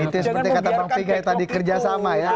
itu yang penting kata bang fika yang tadi kerjasama ya